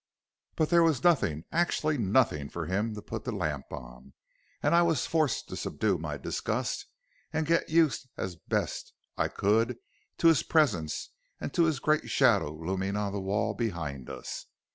"But there was nothing, actually nothing for him to put the lamp on, and I was forced to subdue my disgust and get used as best I could to his presence and to his great shadow looming on the wall behind us.